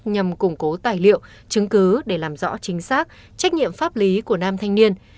nhằm củng cố tài liệu chứng cứ để làm rõ chính xác trách nhiệm pháp lý của nam thanh niên